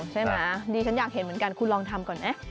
ใช่ไหมดิฉันอยากเห็นเหมือนกันคุณลองทำก่อนไหม